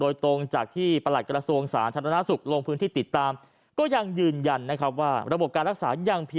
ยังเพียงพอนะครับส่วนตานจังหวัด